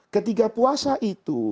ketika puasa itu